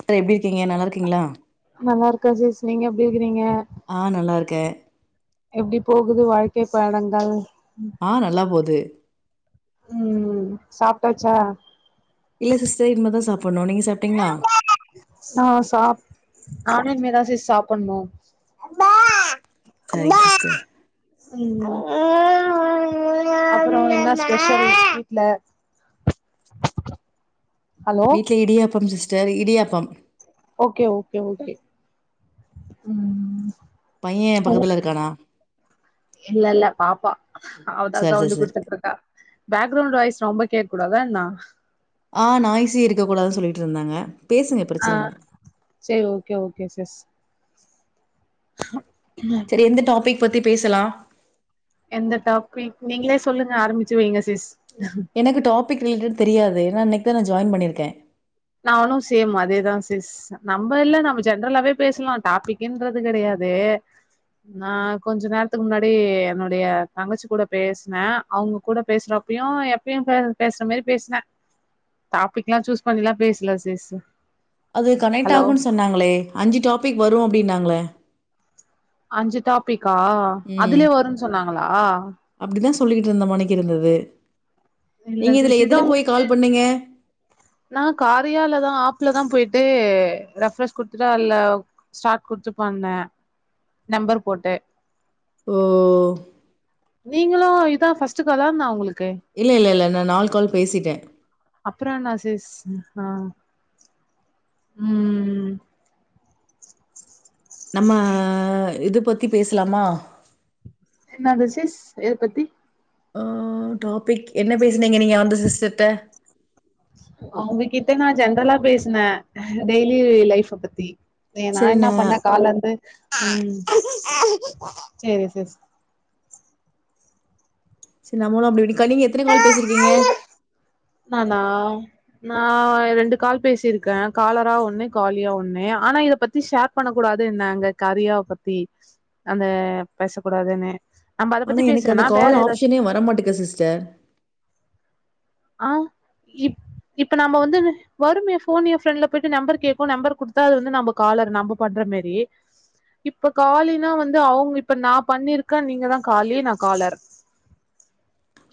Sir எப்டிருக்கீங்க நல்லாருக்கீங்களா நல்லாருக்கா சிஸ் நீங்க எப்டி இருக்கிறீங்க ஆ நல்லாருக்கே எப்டி போகுது வாழ்க்கை பயணங்கள் ஆ நல்லா போது ம் சாப்ட்டாச்சா இல்ல சிஸ்டர் இன்மதா சாப்ப ஆ சாப் அ [unintelligible] சாப்ணு சரிங்க சிஸ்டர் ம் அப்றோ என்ன ஸ்பெஷல் வீட்ல ஹலோ வீட்ல இடியாப்பம் சிஸ்டர் இடியாப்பம் ஓகே ஓகே ஓகே ம் பையன் பக்கத்துல இருக்கானா இல்ல இல்ல பாப்பா அவதா சரி சரி சவுண்டு சரி குடுத்துட்ருக்கா பேக்ரவுண்ட் வாய்ஸ் ரொம்ப கேக்கூடாதா என்ன ஆஹ் நாய்சே இருக்க கூடாது சொல்லிட்டு இருந்தாங்க பேசுங்க பிரச்சன இல்ல ஆஹ் சேரி ஓகே ஓகே சிஸ் சேரி எந்த டாபிக் பத்தி பேசலா எந்த டாபிக் நீங்களே சொல்லுங்க ஆரம்பிச்சு வைங்க சிஸ் எனக்கு டாபிக் ரிலேடட் தெரியாது ஏனா இன்னைக்கு தா நா ஜாயின் பண்ணிருக்கே நானு சேம் அதேதா சிஸ் நம்ம இல்ல நம்ம ஜென்ரலாவே பேசலா டாபிக்ன்றது கிடையாது வே நா கொஞ்ச நேரத்துக்கு முன்னாடி என்னுடைய தங்கச்சி கூட பேசினே அவுங்க கூட பேசுற அப்பயு எப்பயு பேசுற மாரி பேசினே டாபிக்லா சூஸ் பண்ல பேசல சிஸ் அது கனெக்ட் ஹலோ ஆகுனு சொன்னாங்களே அஞ்சு டாபிக் வரு அப்டினாங்களே அஞ்சு டாபிக்கா ம் அதுலயே வருனு சொன்னாங்களா அப்டிதா சொல்லிக்கிட்டு இருந்தமனைக்கு இருந்தது இல்ல நீங்க இதுல சிஸ் இதா எதுல போய் உங்களுக்கு கால் பண்ணீங்க நா காரியாலதா ஆப்ல தா போயிட் ட்டு ரெஃப்ரஸ் குடுத்துட்டா அல்ல ஸ்டார்ட் குடுத்து பன்னே நம்பர் போட்டு ஓ நீங்களு இதா ஃபஸ்ட் காலா என்ன உங்களுக் இல்ல இல்ல இல்ல நா நாலு கால் பேசிட்டே அப்றம் என்ன சிஸ் ஆஹ் உம் நம்ம இது பத்தி பேசலாமா என்னது சிஸ் எது பத்தி ஆஹ் டாபிக் என்ன பேசினீங்க நீங்க அந்த சிஸ்டர்ட அவுங்ககிட்ட நா ஜென்ரலா பேசினே டெய்லி லைஃப்அ பத்தி ஏ நா என்ன பண்ணே கால்ல இருந்து ம் சேரி சிஸ் சேரி நம்மலு அப்டி [unintelligible] நீங்க எத்தன கால் பேசிருக்கீங்க நானா நா ரெண்டு கால் பேசிருக்கே காலரா ஒண்ணு காலியா ஒண்ணு ஆனா இத பத்தி ஷேர் பண்ண கூடாது நாங்க கறியாவ பத்தி அத பேச கூடாதுனு நம்ம ஆனா பத்தி எனக்கு அந்த கால் ஆப்ஷனே வரமாட்டேக்கு சிஸ்டர் ஆஹ் இப் இப்ப நாம வந்து வருமே ஃபோன் எ ஃப்ரெட்ல போயிட்டு நம்பர் கேகும் நம்பர் குடுத்தா அது வந்து நம்ப காலர் நம்ப பண்ற மேரி இப்ப காலினா வந்து அவ்ங் இப்ப நா பண்ணிருக்கே நீங்க தா காலியே நா காலர்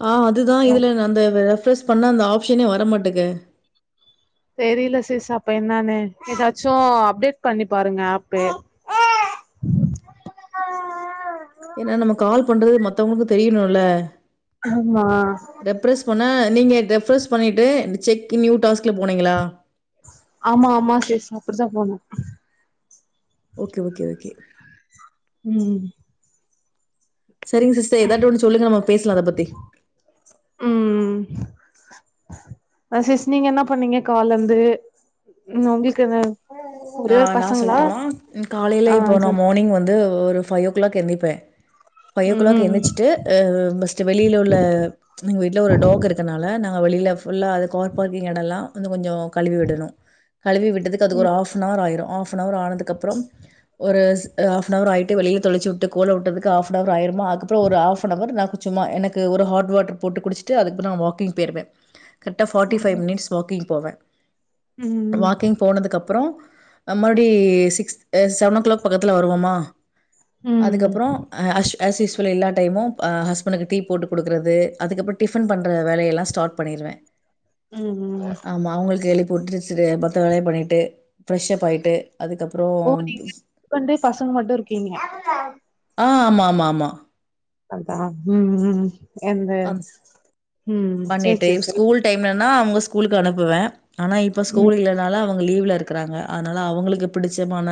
ஆ அதுதா இதுல நா அந்த ரெஃப்ரெஸ் பண்ணா அந்த ஆஃப்ஷனே வரமாட்டேக்கு தெரில சிஸ் அப்ப என்னானு எதாச்சு அப்டேட் பண்ணி பாருங்க அப்பு ஏனா நம்ம கால் பண்றது மத்தவுங்களுக்கு தெரியணுல ஆமா நீங்க த ரெஃப்ரெஸ் பண்ணிட்டு செக் நியூ டாஸ்க்ல போனீங்களா ஆமா ஆமா சிஸ் அப்டிதா போடுனு ஓகே ஓகே ஓகே ம் செரிங்க சிஸ்டர் ஏதாது ஒன்னு சொல்லுங்க நம்ம பேஸ்லா அத பத்தி ம் ஆ சிஸ் நீங்க என்ன பண்ணீங்க கால்லெந்து ம் உங்ளுக்கு எதாவது ஆஹ் நா சொல்ட்டுமா காலைல ஆ இப்போ சரி நா மானிங் வந்து ஒ ஒரு ஃபை ஓ கிளாக் எந்திப்பே ஃபைவ் ஓ கிளாக் ம் எந்திச்சிட்டு ஆஹ் பஸ்டு வெளில உள்ள எங்க வீட்ல ஒரு டாக் இருக்கனால நா வெளில ஃபுல்லா அது கார் பார்க்கிங் எடல்லா வந்து கொஞ்சோ கழுவி விடணு கழுவி விட்டதுக்கு அது ஒரு ஆஃப் நவர் ஆயிரும் ஆஃப் ஃபனவர் ஆனதுக்கு அப்றோ ஒரு ஸ் ஆஃப்ஃபனர் ஆயிட்டு வெளில தொழுச்சு வுட்டு கோல வுட்டதுக்கு ஆஃப்ஃபனவர் ஆயிருமா அதுக்கப்பறோ ஒரு ஆஃப்ஃபனவரர் நா குச் சும்மா எனக்கு ஒரு ஹாட் வாட்டர் போட்டு குடிச்சுட்டு அதுக்கப்றோ நா வாக்கிங் போய்ருவே கரைக்டா ஃபாட்டி ஃபைவ் ம் மினிட்ஸ் வாக்கிங் போவே ம் வாக்கிங் போனதுக்கு அப்றோ மறுடி சிக்ஸ்த் ஆஹ் செவனோக் கிளாக் பக்கத்துல வருவோமா அதுக்கப்றோ ஆஹ் அஸ் ஆஸ்ஸுஸ்வெல் எல்லா டைமும் ஆஹ் ஹஸ்பண்டுக்கு டீ போட்டு குடுக்குறது அதுக்கப்றோ டிஃபன் பண்ணற வேலயெல்ல ஸ்டாட் பண்ணிற் வே ம் ஆமா அவங்களுக்கு எழுப்புட்டு சிறு மத்த வேலய பண்ணிட்டு ஃப்ரெஷ் அப் ஆயிட்டு ஓ நீங்க ஹஸ்பண்டு பசங்க மட்டு இருக்கீங்ளா ஆமா ஆமா ஆமா அதா ம் ம் எந்த ம் சேரி பண்ணிட்டு சேரி சேரி ஸ்கூல் டைம்லன்னா அவங்க ஸ்கூலுக்கு அனுப்புவே ஆனா இப்ப ஸ்கூல் ம் இல்லனால அ வுங்க லீவ்ல இருக்குறாங்க அதனால அவங்களுக்கு பிடிச்சமான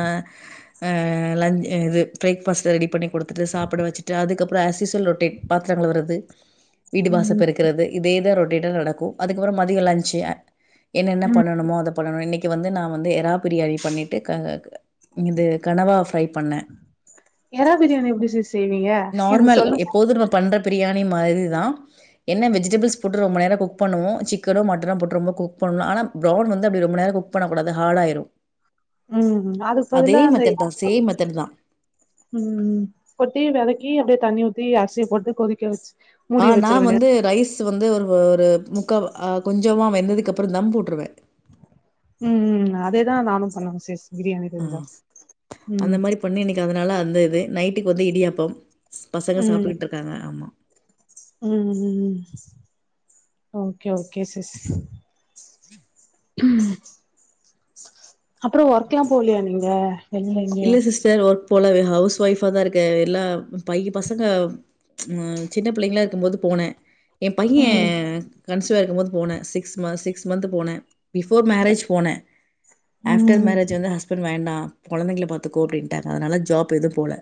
ஆஹ் லஞ் இது பிரேக்ஃபஸ்ட் ரெடி பண்ணிக் குடுத்துட்டு சாப்ட வச்சுட்டு அதுக்கப்றோ ஆசிஸ்வல் ரொட்டேட் பாத்தரங் கழுவுருது வீடு வாச ம் பெருக்றது இதேதா ரொட்டேட்டா நடக்கு அதுக்கப்றோ மதியோ லஞ்சு என்னென்ன ம் பண்ணனுமோ அத பண்ணணு இன்னக்கி வந்து நா வந்து எறா பிரியாணி பண்ணிட்டு க க இது கனவா ஃப்ரை பண்ணே எரா பிரியாணி எப்டி சிஸ் செய்வீங்க எனக் நார்மல் சொல்லுங்க எப்போது நம்ம பண்ற பிரியாணி மாரிதா என்ன வெஜ் விஜிடபிள்ஸ் போட்டு ரொம்ப நேர குக் பண்ணுவோ சிக்கனோ மட்டனோ போட்டு ரொம்ப குக் பண்ணு ஆனா ஃபிரௌன் வந்து அப்டி ரொம்ப நேர குக் பண்ணக்கூடாது ஹாடாயிரு ம் அதுக் பதுலா அந்த சேம் [inaudible] மெத்தட் தா ம் ம் கொட்டி வெதக்கி அப்டியே தண்ணி ஊத்தி அரிசிய போட்டு கொதிக்க வெச் ஆஹ் நா வந்து ரைஸ் வந்து ஒரு ஒரு முக்கா ஆஹ் கொஞ்சமா வெந்ததுக் பறோ தம் போட்ருவே ம் ம் அதேதா நானு பண்ணனு சிஸ் பிரியாணி தெரிஞ்சா ஆஹ் அந்த ம் மாரி பண்ணி இன்னக்கி அதனால அந்த இது நைட் டுக்கு வந்து இடியாப்பம் பசங்க சாப்டுகிட்டு இருக்காங்க ஆமா ம் ம் ம் ஓகே ஓகே சிஸ் ம் அப்றோ ஒர்க்கெலா போலியா நீங்க வெளில எங்கயு இல்ல சிஸ்டர் ஒர் போல ஹவுஸ் ஒய்ஃபா தா இருக்கே எல்லா பைய பசங்க ச் ம் சின்ன பிள்ளைங்களா இருக்கும்போது போ னே எ பைய ம் கன்ஸிவா இருக்கும் போனே சிக்ஸ் சிக்ஸ் மந்த் போனே பிஃபோர் மேரேஜ் போனே ஆஃப்டர் ம் மேரேஜ் வந்து ஹஸ்பண்ட் வேண்டா கொழந்தைங்கள பாத்துக்கோ அப்டின்ட்டாங்க அதனால ஜாப் எதும் போல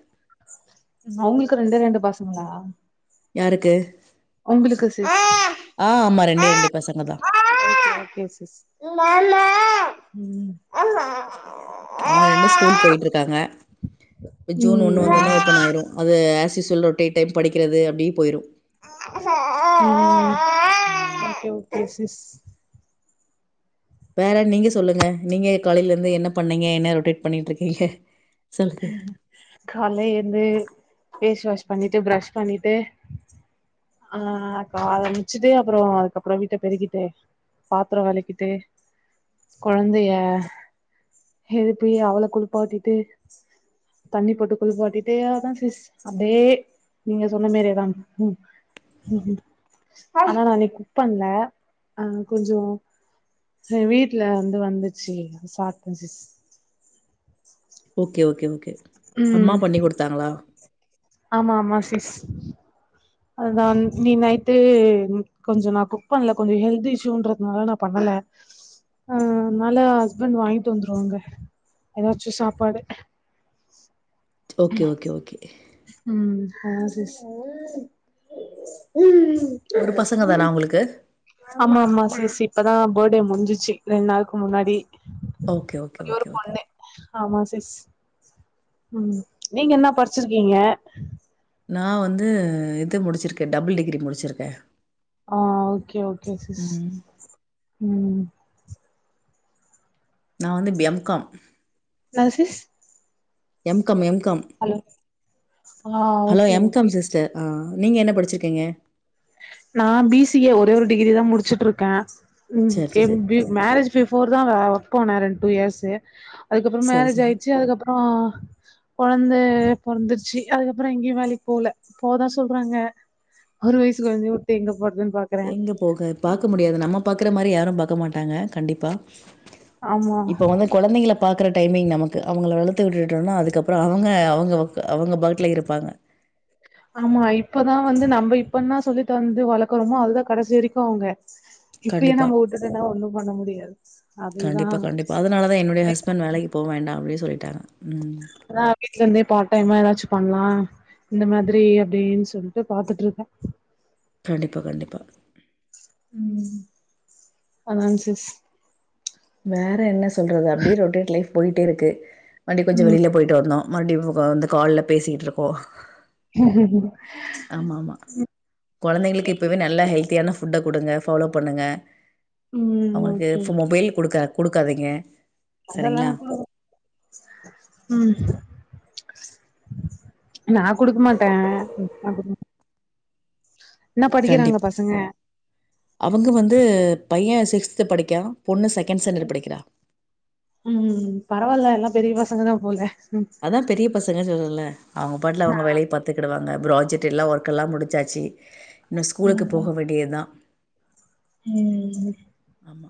அவங்களுக்கு ரெண்டே ரெண்டு பசங்களா யாருக்கு உங்களுக்கு சிஸ் ஆ ஆமா. பசங்க தான். ஓகே ஓகே சிஸ் ம் அவங்க ரெண்டு ஸ்கூல் போயிட்டு இருக்காங்க இ ஜூன் ஒண்ணு வந்தோனே ஓபன் ஆயிரு அது அ ச்சு சொல்ற உட்டேடே படிக்கிறது அப்டீ போயிறு ம் ஆமா ஆமா ஓகே ஓகே சிஸ் வேற நீங்க சொல்லுங்க நீங்க காலையில இருந்து என்ன பண்ணீங்க என்ன ரொட்டேட் பண்ணிட்டு இருக்கீங்க கால எழுந்து ஃபேஸ் வாஷ் பண்ணிட்டு ப்ரஷ் பண்ணிட்டு ஆ அக்கா அத முச்சுட்டே அப்புறோ அதுக்கப்புறோ வீட்ட பெருக்கிட்டு பாத்திரோ வெலக்கிட்டு கொழந்தைய எழுப்பி அவள குளிப்பாட்டிட்டு தண்ணி போட்டு குளிபாட்டிட்டு அதா சிஸ் அப்டியே நீங்க சொன்ன மாரியே தா ஆனா நா இன்னைக்கு குக் பண்ல அ கொஞ்சோ ஹ வீட்டுல இருந்து வந்துச்சு சாப்ட சிஸ் ஓகே ஓகே ஓகே அம்மா ம் பண்ணி கொடுத்தாங்களா ஆமா ஆமா சிஸ் அதா நீ நைட்டு கொஞ்சொ நா குக் பண்ல கொஞ்சொ ஹெல்த் இஷ்யூன்றதுனால நா பண்ணல அ அ அனால ஹஸ்பண்ட் வாங்கிட்டு வந்துருவாங்க ஏதாச்சு சாப்பாடு ஓகே ஓகே ஓகே ம் ஹா சிஸ் ஒரு பசங்க தானா உங்களுக்கு ஆமா ஆமா சிஸ் இப்பதா பேட்டே முடிஞ்சிச்சு ரெண் நாள்க்கு முன்னாடி ஓகே ஓகே ஒரே ஒரு ஓகே ஓகே பொண்ணு ஆமா ம் நீங்க என்ன படிச்சிருக்கீங்க நா வந்து இது முடிச்சிருக்கே டபுள் டிகிரி முடிச்சிருக்கே ஆ ஓகே ஓகே சிஸ் ம் நா வந்து எம் காம் என்ன sis M com M com hello ஆ hello okay M okay com sister ஆ நீங்க என்ன படிச்சிருக்கீங்க நா பி சி ஏ ஒரே ஒரு டிகிரி தா முடிச்சுட்டு இருக்கே ம் சரி கே சரி பி மேரேஜ் பிஃபோர் தா வா ஒர்க் போனு ரெண் டூ இயர்ஸ்ஸு அதுக்கப்புறோ சரி சரி மேரேஜ் சரி ஆயிச்சு அதுக்கப்புறோ கொழந்த பெறந்துருச்சு அதுக்கப்புறோ எங்கயு வேலைக்கு போல போதா சொல்றாங்க ஒரு வயசு கொழந்தையு எங்க போக பாக்க முடியாது நம்ம பாக்குற மாரி யாரு பாக்க மாட்டாங்க கண்டிப்பா ஆமா இப்ப வந்து கொழந்தைங்கள பாக்குற டைமிங் நமக்கு அவங்கள வளத்து விட்டுட்டோனா அதுக்கப்புறோ அவங்க அவங்க அ அவங்க பாட்ல இருப்பாங்க ஆமா இப்பதா வந்து நம்ப இப்ப என்ன சொல்லி தந்து வளக்குறோமோ அதுதா கடைசி வரைக்கு அவங்க இப்பியே கண்டிப்பா, நம்ம வுட்டுடனா ஒண்ணு பண்ண முடியாது அதுதா கண்டிப்பா, கண்டிப்பா. அதனால தான் என்னுடைய எ ஹஸ்பண்ட் வேலைக்கு போ வேண்டாம் அப்டின்னு சொல்லிட்டாங்க ம். ஆ வீட்லருந்தே பார்ட் டைமா எதாச்சு பண்லா இந்த மாதிரி அப்டின் சொல்ட்டு பாத்துட்ருக்க கண்டிப்பா கண்டிப்பா ம் அதா சிஸ் வேற என்ன சொல்றது அப்டியே ரொடேட் லைஃப் போயிட்டு இருக்கு அப்டே கொஞ்ச ம் வெளில போய்ட்டு வர்னோ மறுப்டி வ் வ அந்த கால்ல பேசிட்ருக்கோ ஹம் ஹ்ம்ம் ஆமா ஆமா கொழந்தைங்ளுக்கு இப்பவே நல்ல ஹெல்த்தியான ஃபுட்ட குடுங்க ஃபாலோ பண்ணுங்க ம் அவங்ளுக்கு ஓகே இப்ப ஓகே மொபைல் குடுக்க குடுக்காதீங்க அதெல்லா சரிங்களா? நா உம் நா குடுக்க மாட்ட [inaudible] கண்டிப் அவங்க வந்து பைய சிக்ஸ்து படிக்கா பொண்ணு செகண்ட் ஸ்டாண்டர்ட் படிக்றா உம் பரவால்ல எல்லா பெரிய பசங்கதா போல அதா பெரிய பசங்கன் சொல்றல அவங்க பாட்ல அவங்க வேலய பாத்துகிடுவாங்க ப்ராஜெக்ட்டெல்லா ஒர்க்கெல்லா முடிச்சாச்சி இன்னு ஸ்கூலுக்கு போக வேண்டியதா உம் ஆமா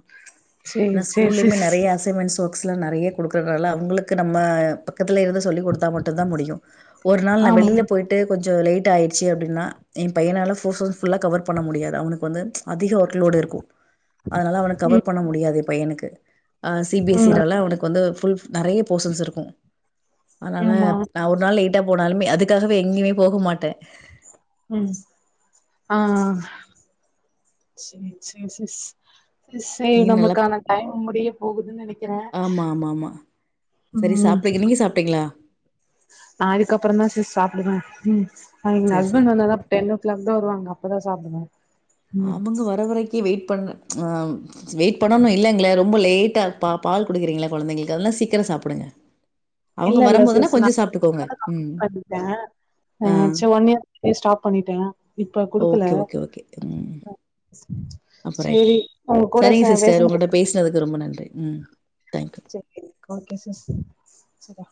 ஏனா ஸ்கூல்லியுமே சிஸ் நிறைய அசைன்மென்ட்ஸ் ஸ்லா நிறைய குடுக்கறனால அவங்ளுக்கு நம்ம பக் கத்லருந்து சொல்லி குடுத்தா மட்டுந்தா முடியு ஒரு நாள் நா ஆமா வெளில போயிட்டு கொஞ்ச லேட் ட்டாயிடுச்சு அப்டினா எ பையனால போர்ஃபோர் புல்லா கவர் பண்ண முடியாது அவனுக் வந்து அதிக ஒர்க் லோடுருக்கு அதனால அவனு ம் கவர் பண்ண முடியாது எனக்கு அ சி பி ம் எஸ்சினால அவனுக்கு வந்து புல் நிறைய போஸ்ன் இருக்கு அதனால ஆமா நா ஒரு நாள் லேட் ட்டா போனாலுமே அதுக்காகவே எங்கயுமே போக மாட்டே ம் ஆ செரி செரி செஸ் செரி நீ நல்லா நமக்கான டைம் முடிய போகுதுன் நினைக்கற ஆமா ஆமா ஆமா சரி சாப்டுங்க நீங்க சாப்ட்டீங்ளா [inaudible] நா இதுக்கப்றந்தா சிஸ் சாப்டுவ ம் எங்க சரி சரி ஹஸ்பண்ட் வந்தாதா டென் ஓ கிளாக்தா வருவாங்க அப்பதா சாப்னு அவங்க வர வரைக்கி வெயிட் பண் அ வெயிட் பண்ணணு இல்லங்ள ரொம்ப லேட்டா பா பால் குடுக்குறீங்ள கொழந்தைங்ளுக்கு அதெல்லா சீக்கிர சாப்டுங்க ஹ இல்ல இல்ல சிஸ் நா [unintelligible] ம் பண்ணிட்ட ஆ ச் ஒன் இயர் முன்னாடி ஸ்டாப் பண்ணிட்ட இப்ப குடுக்கல ஓகே ஓகே ஓகே ம் அப்ப சேரி ரைட்டுதா உங்க கூட சரிங்க சே சிஸ்டர் பேசுனது உங்கட்ட பேஸ்னதுக்கு ரொம்ப நன்றி உம் சரி ஓகே சிஸ் சரி